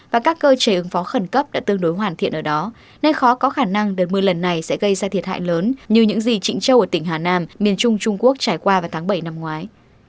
và các cơ chế ứng phó khẩn cấp đã tương đối hoàn thiện ở đó nơi khó có khả năng đợt mưa lần này sẽ gây ra thiệt hại lớn như những gì trịnh châu ở tỉnh hà nam miền trung trung quốc trải qua vào tháng bảy năm ngoái